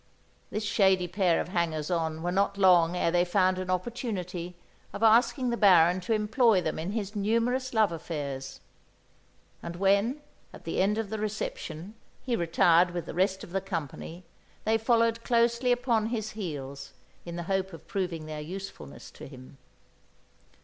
This shady pair of hangers on were not long ere they found an opportunity of asking the Baron to employ them in his numerous love affairs; and when, at the end of the reception, he retired with the rest of the company, they followed closely upon his heels in the hope of proving their usefulness to him.